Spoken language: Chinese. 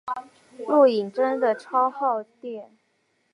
录影真的超耗电